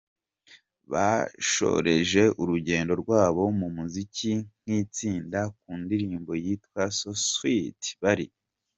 Bashoreje urugendo rwabo mu muziki nk'itsinda ku ndirimbo yitwa So Sweet bari